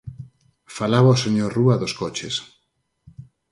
Falaba o señor Rúa dos coches.